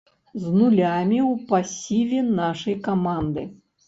З нулямі ў пасіве нашай каманды.